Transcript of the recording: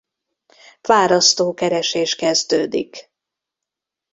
Fárasztó keresés kezdődik.